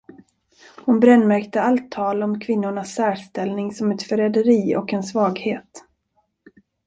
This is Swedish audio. Hon brännmärkte allt tal om kvinnornas särställning som ett förräderi och en svaghet.